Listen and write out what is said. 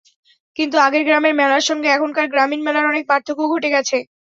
কিন্তু আগের গ্রামের মেলার সঙ্গে এখনকার গ্রামীণ মেলার অনেক পার্থক্য ঘটে গেছে।